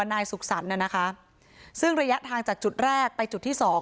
นายสุขสรรค์น่ะนะคะซึ่งระยะทางจากจุดแรกไปจุดที่สอง